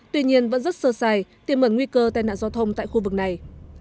tuy nhiên vẫn rất sơ sài tiềm ẩn nguy cơ tai nạn giao thông tại khu vực này